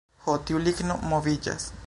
Ho tiu ligno moviĝas...